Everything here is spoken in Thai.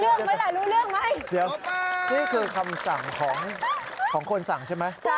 นี่คือคำสั่งของคนสั่งใช่ไหม